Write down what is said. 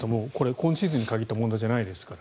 今シーズンに限った問題じゃないですから。